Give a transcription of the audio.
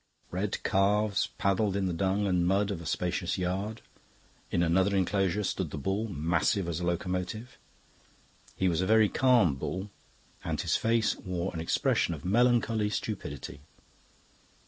Red calves paddled in the dung and mud of a spacious yard. In another enclosure stood the bull, massive as a locomotive. He was a very calm bull, and his face wore an expression of melancholy stupidity.